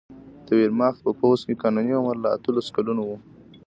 د ویرماخت په پوځ کې قانوني عمر له اتلسو کلونو و